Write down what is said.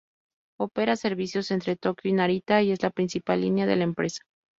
Opera servicios entre Tokio y Narita, y es la principal línea de la empresa.